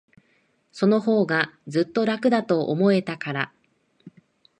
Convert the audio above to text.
そのほうが、ずっと楽だと思えたから。